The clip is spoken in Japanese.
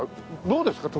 どうですか？